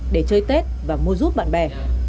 để chơi tết và mua giúp bạn bè